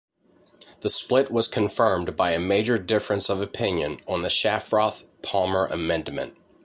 The split was confirmed by a major difference of opinion on the Shafroth-Palmer Amendment.